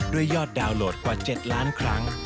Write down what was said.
ยอดดาวน์โหลดกว่า๗ล้านครั้ง